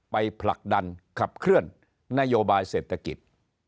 ผลักดันขับเคลื่อนนโยบายเศรษฐกิจ